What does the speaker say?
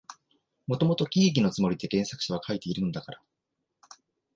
もともと喜劇のつもりで原作者は書いているのだから、